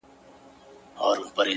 چي د صبر شراب وڅيښې ويده سه;